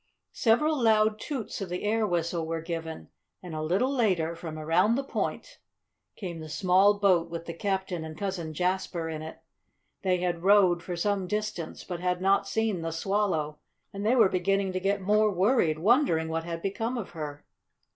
Several loud toots of the air whistle were given, and, a little later, from around the point came the small boat with the captain and Cousin Jasper in it. They had rowed for some distance, but had not seen the Swallow, and they were beginning to get more worried, wondering what had become of her.